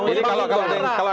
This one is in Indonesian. jadi kalau ada yang memulai siapa